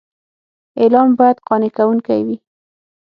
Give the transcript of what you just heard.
اعلان باید قانع کوونکی وي.